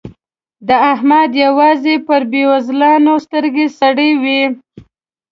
د احمد يوازې پر بېوزلانو سترګې سرې وي.